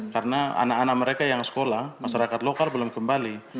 karena anak anak mereka yang sekolah masyarakat lokal belum kembali